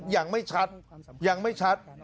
ยังไม่ชัดยังไม่ชัด